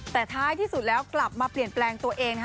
แต่ท้ายที่สุดแล้วกลับมาเปลี่ยนแปลงตัวเองนะฮะ